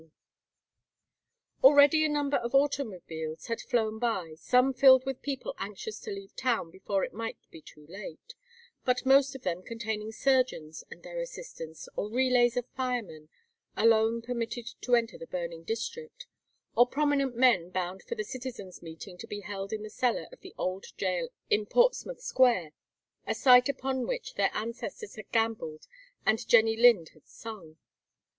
XI Already a number of automobiles had flown by, some filled with people anxious to leave town before it might be too late, but most of them containing surgeons and their assistants, or relays of firemen, alone permitted to enter the burning district; or prominent men bound for the citizens' meeting to be held in the cellar of the old jail in Portsmouth Square, a site upon which their ancestors had gambled and Jenny Lind had sung.